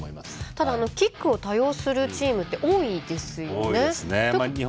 ただ、キックを多用するチームって多いですよね。